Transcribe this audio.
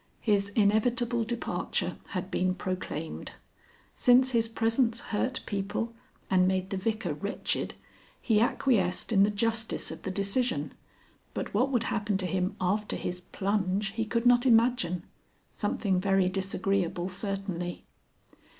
His inevitable departure had been proclaimed. Since his presence hurt people and made the Vicar wretched he acquiesced in the justice of the decision, but what would happen to him after his plunge he could not imagine. Something very disagreeable certainly.